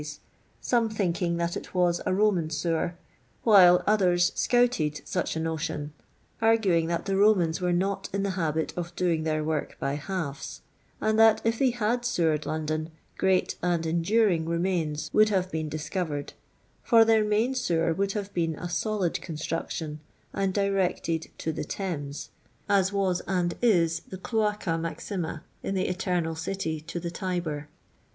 404 LOyJDOy LABOUR ASD TEE LONDON POOEL some thiuking that it vai a Eoman tewer, while others Kouted luch a notion, arguing that the Konians were not in the habit of doing their work by halves ; and that if they hod sewered London, great and enduring remains would have been dis covered, for their main sewer would have been a solid construction, and directed to the Thames, as was and is the Cloaca Maxima, in the Eternal City, to the Tiber.